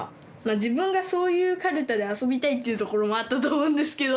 自分がそういうカルタで遊びたいっていうところもあったと思うんですけど。